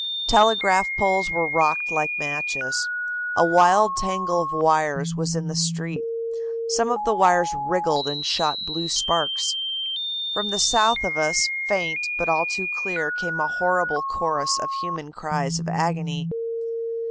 Telegraph poles were rocked like matches. A wild tangle of wires was in the street. Some of the wires wriggled and shot blue sparks. "From the south of us, faint, but all too clear, came a horrible chorus of human cries of agony.